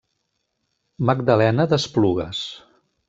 Magdalena d'Esplugues.